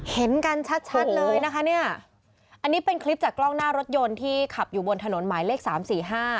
เห็นกันชัดชัดเลยนะคะเนี่ยอันนี้เป็นคลิปจากกล้องหน้ารถยนต์ที่ขับอยู่บนถนนหมายเลขสามสี่ห้า